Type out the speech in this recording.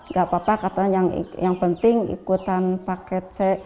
gak apa apa katanya yang penting ikutan paket c